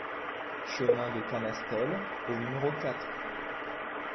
Chemin de Canastelle au numéro quatre